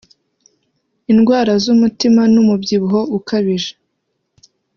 indwara z’umutima n’umubyibuho ukabije